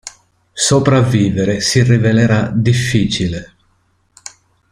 Sopravvivere si rivelerà difficile.